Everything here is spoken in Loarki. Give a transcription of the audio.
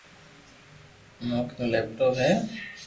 موڪني ليپ ٽوپ ھي